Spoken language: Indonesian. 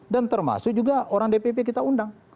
dan termasuk juga orang dpp kita undang